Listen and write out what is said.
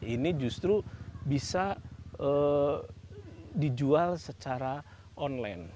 ini justru bisa dijual secara online